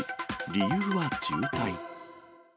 理由は渋滞？